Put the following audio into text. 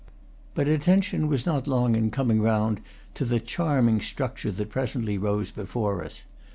But attention was not long in coming round to the charming structure that presently rose before us.